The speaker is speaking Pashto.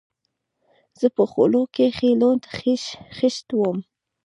زه په خولو کښې لوند خيشت وم.